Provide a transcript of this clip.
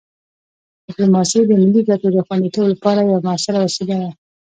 ډیپلوماسي د ملي ګټو د خوندیتوب لپاره یوه مؤثره وسیله ده.